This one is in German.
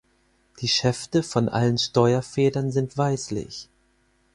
Die Schäfte von allen Steuerfedern sind weißlich.